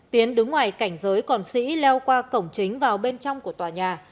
tiến đứng ngoài cảnh giới còn sĩ leo qua cổng chính vào bên trong của tòa nhà